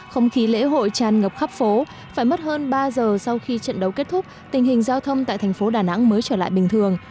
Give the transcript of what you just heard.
không khí lễ hội tràn ngập khắp phố phải mất hơn ba giờ sau khi trận đấu kết thúc tình hình giao thông tại thành phố đà nẵng mới trở lại bình thường